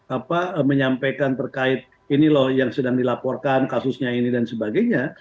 apa menyampaikan terkait ini loh yang sedang dilaporkan kasusnya ini dan sebagainya